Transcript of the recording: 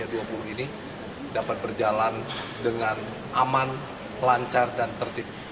pertama kita harus berharap kita dapat berjalan dengan aman lancar dan tertib